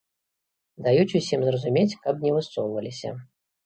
Даюць усім зразумець, каб не высоўваліся.